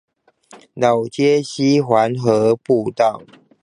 老街溪環河步道